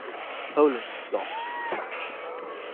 Poland lost this match.